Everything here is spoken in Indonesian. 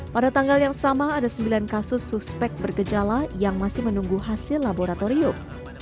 pada tanggal yang sama ada sembilan kasus suspek bergejala yang masih menunggu hasil laboratorium